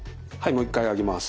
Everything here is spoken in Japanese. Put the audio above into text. もう一回上げます。